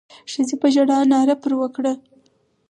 ښځې په ژړا ناره پر وکړه.